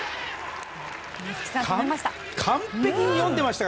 松木さん、止めました。